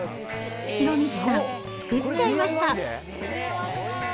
博道さん、作っちゃいました。